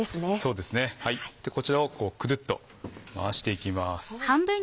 そうですねこちらをくるっと回していきます。